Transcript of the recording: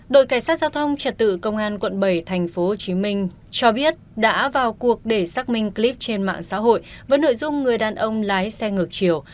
đội cảnh sát giao thông trật tự công an quận bảy tp hcm cho biết đã vào cuộc để xác minh clip trên mạng xã hội với nội dung người đàn ông lái xe ngược chiều